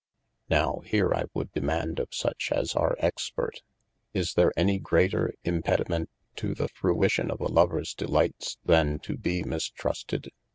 Nowe, here I would demaunde of such as are experte : Is there any greater impedymente to the fruition of a Lovers delights, than to be mistrusted